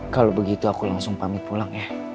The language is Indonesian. kalau begitu aku langsung pamit pulang ya